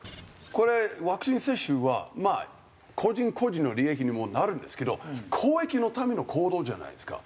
これワクチン接種はまあ個人個人の利益にもなるんですけど公益のための行動じゃないですか。